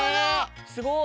すごい！